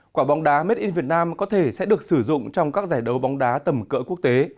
quả bóng đá made in vietnam có thể sẽ được sử dụng trong các giải đấu bóng đá tầm cỡ quốc tế